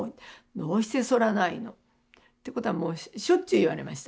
どうして剃らないの？」ってことはもうしょっちゅう言われました。